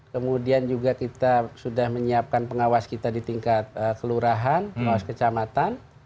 kemudian juga kita sudah menyiapkan pengawas kita di tingkat kelurahan pengawas kecamatan